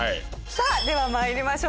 さあでは参りましょう。